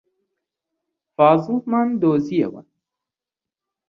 فازڵمان دۆزییەوە.